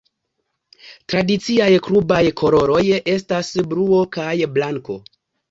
Tradiciaj klubaj koloroj estas bluo kaj blanko.